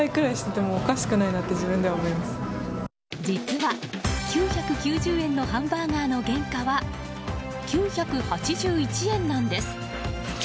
実は９９０円のハンバーガーの原価は９８１円なんです。